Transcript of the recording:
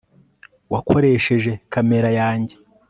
wakoresheje kamera yanjye